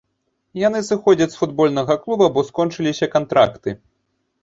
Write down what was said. Яны сыходзяць з футбольнага клуба, бо скончыліся кантракты.